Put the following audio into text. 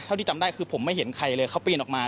ที่จำได้คือผมไม่เห็นใครเลยเขาปีนออกมา